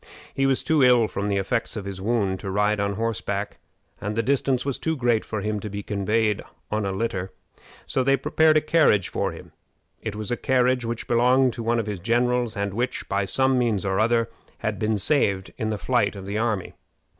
He was too ill from the effects of his wound to ride on horseback, and the distance was too great for him to be conveyed in a litter. So they prepared a carriage for him. It was a carriage which belonged to one of his generals, and which, by some means or other, had been saved in the flight of the army.